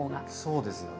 そうですよね。